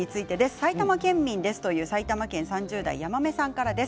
埼玉県民ですという埼玉県３０代の方からです。